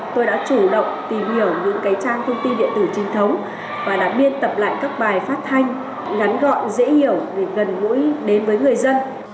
tôi đã chủ động tìm hiểu những trang thông tin điện tử trinh thống và biên tập lại các bài phát thanh ngắn gọn dễ hiểu gần gũi đến với người dân